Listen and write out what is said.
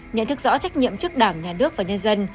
nhận thức rõ trách nhiệm trước đảng nhà nước và nhân dân